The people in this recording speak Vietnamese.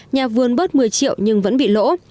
nhà vườn bớt một mươi triệu nhưng vẫn bị lỗ